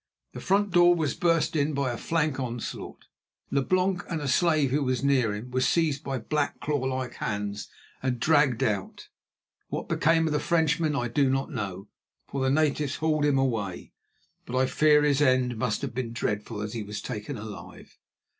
The front door was burst in by a flank onslaught. Leblanc and a slave who was near him were seized by black, claw like hands and dragged out. What became of the Frenchman I do not know, for the natives hauled him away, but I fear his end must have been dreadful, as he was taken alive.